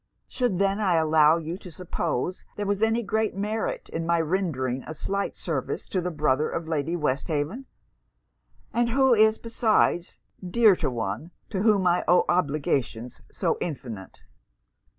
Should I then allow you to suppose there was any great merit in my rendering a slight service to the brother of Lady Westhaven; and who is besides dear to one to whom I owe obligations so infinite.'